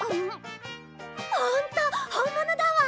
ホント本物だわ！